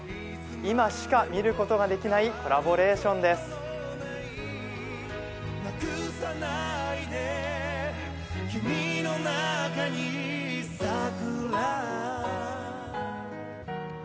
今しか見ることができないコラボレーションです。